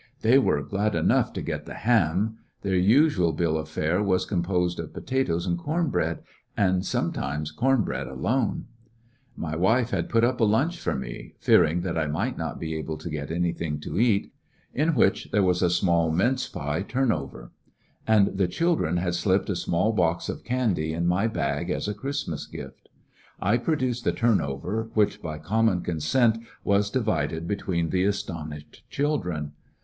They were glad enough to get the ham. Their usual bill 168 missionary In t§e Great West of fare was composed of potatoes and cora breadj and sometimes corn^bread alone. My \rife had put up a luncli for me,— fearing that I might not be able to get anything to catk in which there was a small mince pie turn over ; and the children had slipped a small box of candy in my ba^ as a Christmas gifL I produced the turnover, which by common consent was divided between the astonished children.